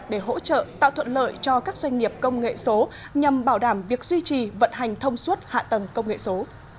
để hỗ trợ tạo thuận lợi cho các doanh nghiệp công nghệ số nhằm bảo đảm việc duy trì vận hành thông suốt hạ tầng công nghệ số